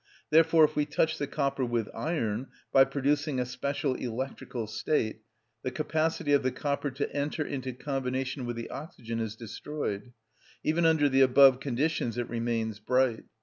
Therefore if we touch the copper with iron, by producing a special electrical state, the capacity of the copper to enter into combination with the oxygen is destroyed; even under the above conditions it remains bright."